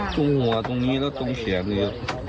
ทุนผัวตรงนี้เขาตรงแขวนี้